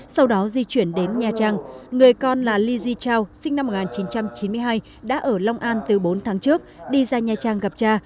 sau đó di chuyển đến nha trang người con là ly di chào sinh năm một nghìn chín trăm chín mươi hai đã ở long an từ bốn tháng trước đi ra nha trang gặp cha